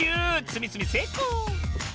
つみつみせいこう！